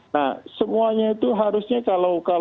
nah semuanya itu harusnya kalau